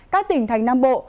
các tỉnh thành nam bộ